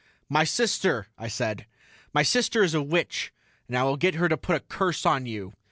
"My sister," I said. "My sister is a witch and I will get her to put a curse on you."